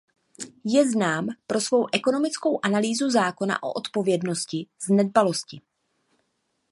Je znám pro svou ekonomickou analýzu zákona o odpovědnosti z nedbalosti.